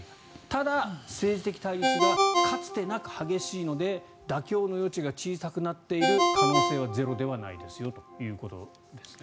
ただ、政治的対立がかつてなく激しいので妥協の余地が小さくなっている可能性はゼロではないですよということですね。